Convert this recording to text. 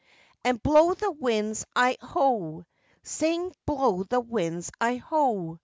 And blow the winds, I ho! Sing, blow the winds, I ho!